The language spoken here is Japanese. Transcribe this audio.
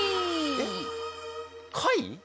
えっ貝？